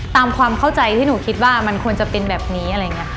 ตามความเข้าใจที่หนูคิดว่ามันควรจะเป็นแบบนี้